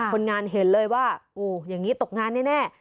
คนงานเห็นเลยว่าโอ้อย่างนี้ตกงานแน่